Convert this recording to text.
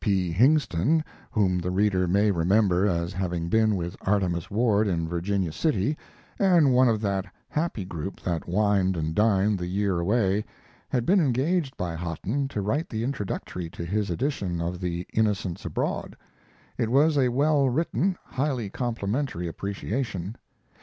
P. Hingston, whom the reader may remember as having been with Artemus Ward in Virginia City, and one of that happy group that wined and dined the year away, had been engaged by Hotten to write the introductory to his edition of The Innocents Abroad. It was a well written, highly complimentary appreciation.